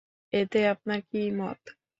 এতে আপনার কি মত?